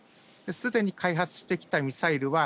すでに開発してきたミサイルは、